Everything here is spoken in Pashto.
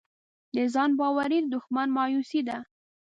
د ځان باورۍ دښمن مایوسي ده.